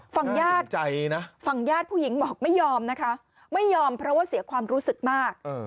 ฟังญาติผู้หญิงบอกไม่ยอมนะคะไม่ยอมเพราะว่าเสียความรู้สึกมาก